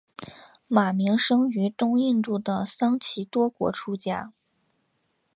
马鸣生于东印度的桑岐多国出家。